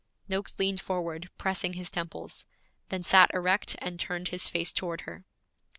Noakes leaned forward, pressing his temples; then sat erect and turned his face toward her.